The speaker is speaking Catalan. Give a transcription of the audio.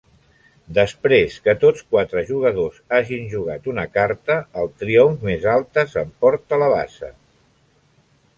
Després que tots quatre jugadors hagin jugat una carta, el triomf més alta s'emporta la basa.